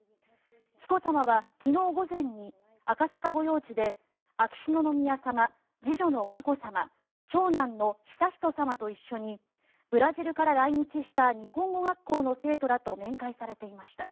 紀子さまは昨日午前に赤坂御用地で秋篠宮さま、次女の佳子さま長男の悠仁さまと一緒にブラジルから来日した日本語学校の生徒らと面会されていました。